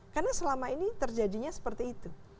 karena selama ini terjadinya seperti itu